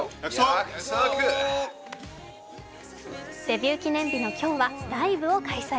デビュー記念日の今日は、ライブを開催。